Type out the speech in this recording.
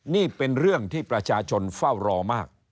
นี่เป็นเรื่องที่ประชาชนเฝ้ารอมาก